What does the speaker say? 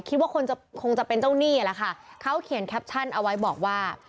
คิดว่าคนจะคงจะเป็นเจ้าหนี้แหละค่ะเขาเขียนแคปชั่นเอาไว้บอกว่า